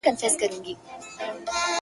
مور مې پۀ دواړه لاسه شپه وه موسله وهله,